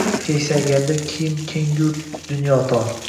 Keksayganda kiyim keng-u dunyo tor.